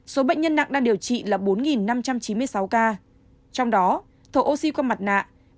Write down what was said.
hai số bệnh nhân nặng đang điều trị là bốn năm trăm chín mươi sáu ca trong đó thổ oxy qua mặt nạ ba một trăm một mươi sáu